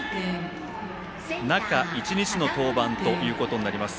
中１日の登板ということになります。